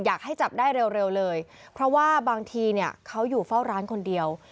อยากให้จับได้เร็วเลยเพราะว่าบางทีเนี่ยเขาอยู่เฝ้าร้านคนเดียว